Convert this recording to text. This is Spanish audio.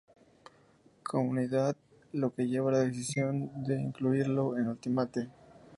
Comunidad, lo que lleva a la decisión de incluirlo en Ultimate.